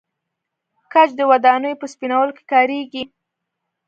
ګچ د ودانیو په سپینولو کې کاریږي.